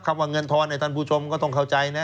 ว่าเงินทอนท่านผู้ชมก็ต้องเข้าใจนะ